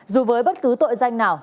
dù với bất cứ tội danh nào